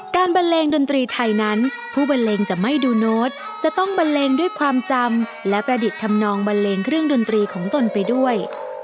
บันเลงดนตรีไทยนั้นผู้บันเลงจะไม่ดูโน้ตจะต้องบันเลงด้วยความจำและประดิษฐ์ทำนองบันเลงเครื่องดนตรีของตนไปด้วย